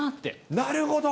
なるほど。